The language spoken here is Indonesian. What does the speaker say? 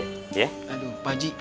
aduh pak aji